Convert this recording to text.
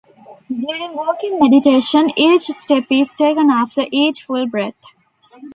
During walking meditation each step is taken after each full breath.